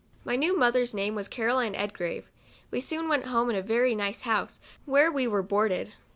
My new mother's name was Caroline Eldgrave. We soon went home to a very nice house, where we boarded.